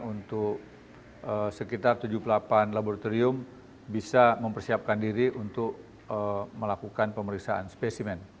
untuk sekitar tujuh puluh delapan laboratorium bisa mempersiapkan diri untuk melakukan pemeriksaan spesimen